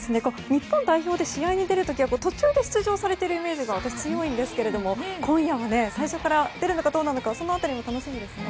日本代表で試合に出る時は途中で出場されているイメージが強いんですが今夜は最初から出るのかどうなのかその辺りも楽しみですね。